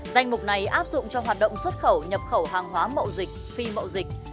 danh mục này áp dụng cho hoạt động xuất khẩu nhập khẩu hàng hóa mậu dịch phi mậu dịch